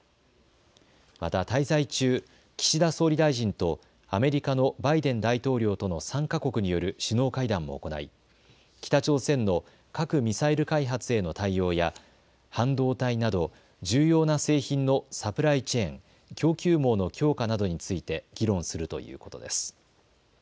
また滞在中、岸田総理大臣とアメリカのバイデン大統領との３か国による首脳会談も行い北朝鮮の核・ミサイル開発への対応や半導体など重要な製品のサプライチェーン・供給網の強化などについて議論するということです。